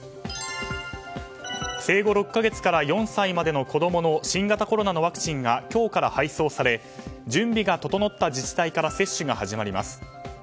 生後６か月から４歳までの子供の新型コロナのワクチンが今日から配送され準備が整った自治体から接種が始まります。